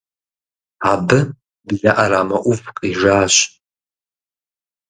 Абы блэ Ӏэрамэ Ӏув къижащ.